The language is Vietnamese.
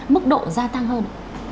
mức độ gia tăng hơn